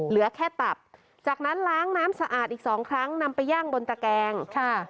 เหลือแค่ตับจากนั้นล้างน้ำสะอาดอีกสองครั้งนำไปย่างบนตะแกงค่ะ